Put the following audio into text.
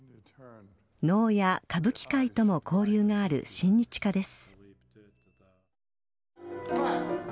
能や歌舞伎界とも交流がある親日家です。